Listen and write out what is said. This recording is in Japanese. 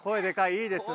いいですね。